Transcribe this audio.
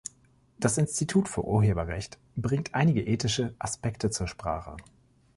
Das Institut für Urheberrecht bringt einige ethische Aspekte zur Sprache.